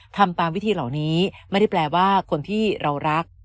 ทำตามวิธีเหล่านี้ไม่ได้แปลว่าคนที่เรารัก